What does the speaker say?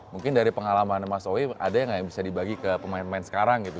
mungkin dari pengalaman mas owi ada yang nggak yang bisa dibagi ke pemain pemain sekarang gitu